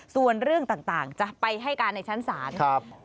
ส่วนเรื่องต่างจะไปให้การในชั้นศาล